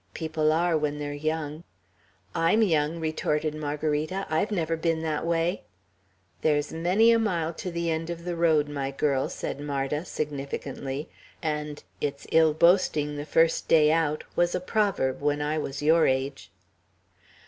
People are, when they're young." "I'm young!" retorted Margarita. "I've never been that way." "There's many a mile to the end of the road, my girl," said Marda, significantly; "and 'It's ill boasting the first day out,' was a proverb when I was your age!"